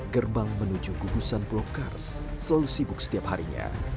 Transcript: gerbang menuju gugusan pulau kars selalu sibuk setiap harinya